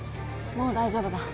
もう大丈夫だ。